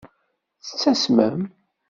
Tettasmem.